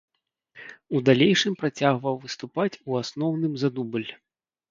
У далейшым працягваў выступаць у асноўным за дубль.